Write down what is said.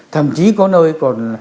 thậm chí có nơi còn